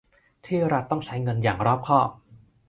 ที่รัฐต้องใช้เงินอย่างรอบคอบ